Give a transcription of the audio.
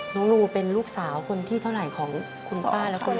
ลูเป็นลูกสาวคนที่เท่าไหร่ของคุณป้าและคุณแม่